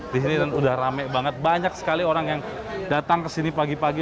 disini udah ramai banget banyak sekali orang yang datang kesini pagi pagi